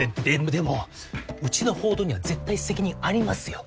ででもうちの報道には絶対責任ありますよ。